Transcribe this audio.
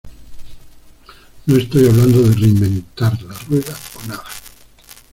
No estoy hablando de reinventar la rueda o nada.